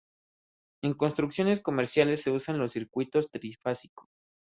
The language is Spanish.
En construcciones comerciales, se usan los circuitos trifásicos.